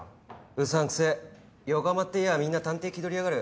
うさんくせぇ横浜っていやぁみんな探偵気取りやがる。